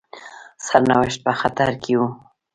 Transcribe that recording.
سرنوشت په خطر کې وو.